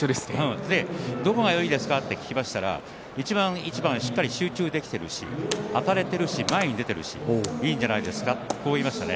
どこがよいですかと聞きましたら一番一番しっかり集中できているしあたれているし前に出ているし、いいんじゃないですかと言いました。